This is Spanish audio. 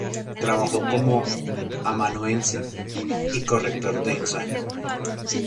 Trabajó como amanuense y corrector de ensayos.